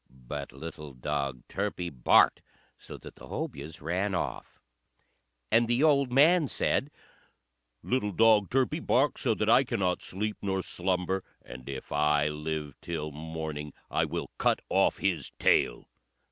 But little dog Turpie barked so that the Hobyahs ran off; and the old man said, "Little dog Turpie barks so that I cannot sleep nor slumber, and if I live till morning I will cut off his tail."